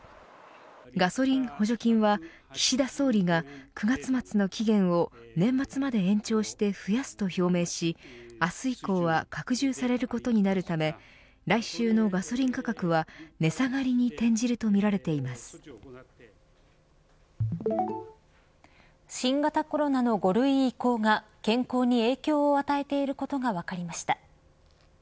ガソリン補助金は岸田総理が、９月末の期限を年末まで延長して増やすと表明し明日以降は拡充されることになるため来週のガソリン価格は値下がりに転じると新型コロナの５類移行が健康に影響を与えていることが分かりました。